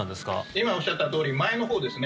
今おっしゃったとおり前のほうですね。